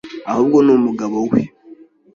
ahubwo ni umugabo we.